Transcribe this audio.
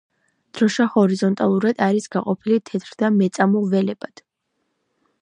დროშა ჰორიზონტალურად არის გაყოფილი თეთრ და მეწამულ ველებად.